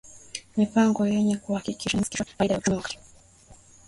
Mipango yenye kuhakikisha inafikisha faida za kiuchumi wa kati